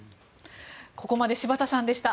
ここまで柴田さんでした。